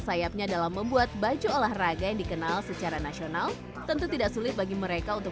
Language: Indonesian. sayapnya dalam membuat baju olahraga yang dikenal secara nasional tentu tidak sulit bagi mereka untuk